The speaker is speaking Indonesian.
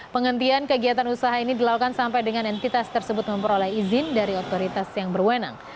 penghentian kegiatan usaha ini dilakukan sampai dengan entitas tersebut memperoleh izin dari otoritas yang berwenang